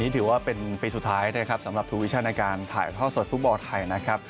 ก็คือวิชันในการถ่ายท่อสดฟุตบอลไทยนะครับ